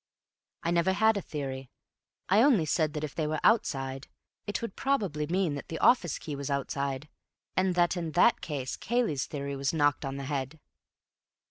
"I never had a theory. I only said that if they were outside, it would probably mean that the office key was outside, and that in that case Cayley's theory was knocked on the head."